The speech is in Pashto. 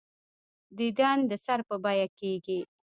دیدن د سر په بیعه کېږي.